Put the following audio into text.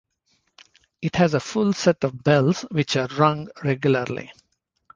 It has a full set of bells which are rung regularly.